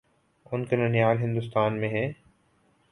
ان کے ننھیال ہندوستان میں ہیں۔